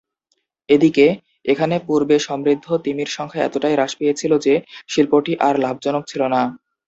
এদিকে, এখানে পূর্বে সমৃদ্ধ তিমির সংখ্যা এতটাই হ্রাস পেয়েছিল যে শিল্পটি আর লাভজনক ছিল না।